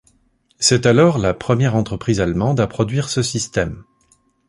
C’est alors la première entreprise allemande à produire ce système.